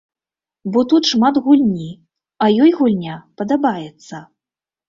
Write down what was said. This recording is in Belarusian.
Бо тут шмат гульні, а ёй гульня падабаецца.